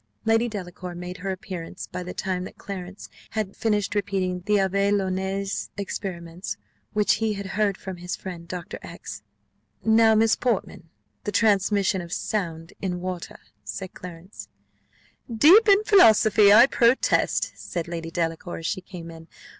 Lady Delacour made her appearance by the time that Clarence had finished repeating the Abbé Nollet's experiments, which he had heard from his friend Doctor X . "Now, Miss Portman, the transmission of sound in water," said Clarence "Deep in philosophy, I protest!" said Lady Delacour, as she came in.